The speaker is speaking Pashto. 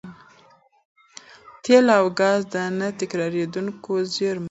تېل او ګاز د نه تکرارېدونکو زېرمونو بېلګې دي.